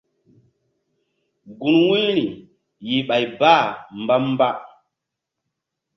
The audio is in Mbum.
Gun wu̧yri yih bay bah mba mba.